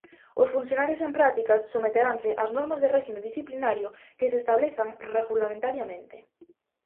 Os funcionarios en prácticas someteranse ás normas de réxime disciplinario que se establezan regulamentariamente.